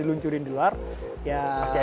diluncurin di luar ya